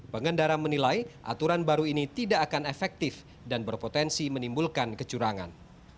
pengendara menilai aturan baru ini tidak akan efektif dan berpotensi menimbulkan kecurangan